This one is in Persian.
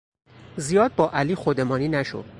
زیاد با علی خودمانی نشو.